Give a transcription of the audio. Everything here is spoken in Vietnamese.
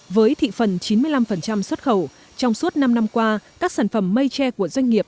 với thị phần chín mươi năm xuất khẩu trong suốt năm năm qua các sản phẩm mây tre của doanh nghiệp